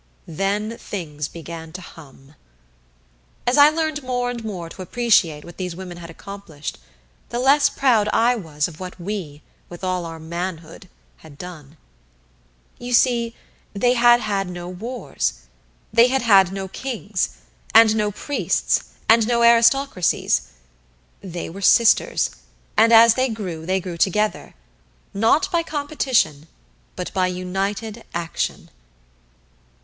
Then things began to hum. As I learned more and more to appreciate what these women had accomplished, the less proud I was of what we, with all our manhood, had done. You see, they had had no wars. They had had no kings, and no priests, and no aristocracies. They were sisters, and as they grew, they grew together not by competition, but by united action.